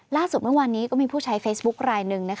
ล่าสุดเมื่อวานนี้ก็มีผู้ใช้เฟซบุ๊คลายหนึ่ง